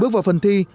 bước vào phần thi